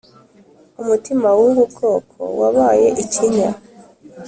Umutima w ubu bwoko wabaye ikinya